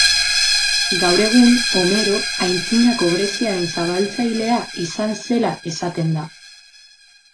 Gaur egun, Homero antzinako Greziaren zabaltzailea izan zela esaten da.